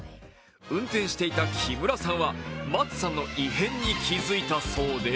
運転していた木村さんは松さんの異変に気付いたそうで